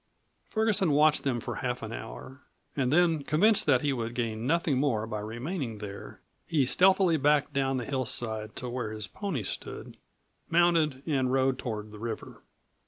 Ferguson watched them for half an hour, and then, convinced that he would gain nothing more by remaining there, he stealthily backed down the hillside to where his pony stood, mounted, and rode toward the river.